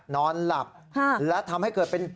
นอนหลับและทำให้เกิดเป็น